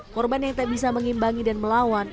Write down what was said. korban yang tak bisa mengimbangi dan melawan